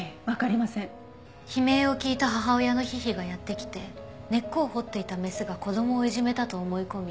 悲鳴を聞いた母親のヒヒがやって来て根っこを掘っていたメスが子供をいじめたと思い込み